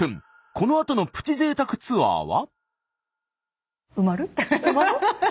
このあとのプチ贅沢ツアーは？